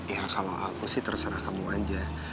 ya kalau aku sih terserah kamu aja